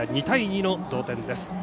２対２の同点です。